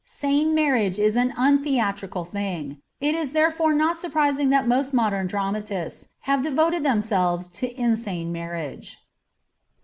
Sane marriage is an untheatrical thing ; it is therefore not surprising that most modern dramatists have devoted themselves to insane marriage.